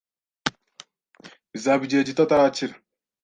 Bizaba igihe gito atarakira.